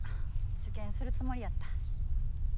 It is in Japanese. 受験するつもりやった。